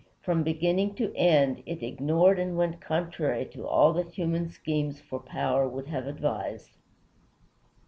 From beginning to end, it ignored and went contrary to all that human schemes for power would have advised.